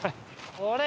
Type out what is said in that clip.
これ。